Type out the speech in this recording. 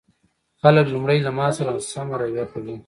خلک لومړی له ما سره سمه رويه کوي